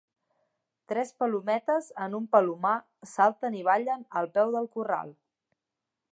Tres palometes en un palomar salten i ballen al peu del corral.